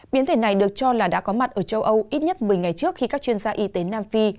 biến thể này được cho là đã có mặt ở châu âu ít nhất một mươi ngày trước khi các chuyên gia y tế nam phi